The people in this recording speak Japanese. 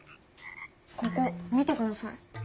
ここ見てください。